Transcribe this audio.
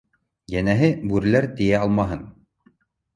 Йәнәһе, бүреләр тейә алмаһын!